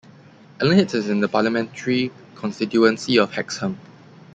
Allenheads is in the parliamentary constituency of Hexham.